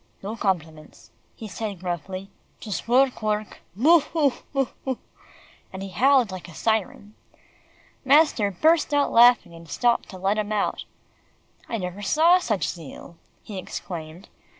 "No compliments," he said gruffly, "just work, work Boo, hoo! boo hoo!" and he howled like a siren. Master burst out laughing, and stopped to let him out. "I never saw such zeal," he exclaimed.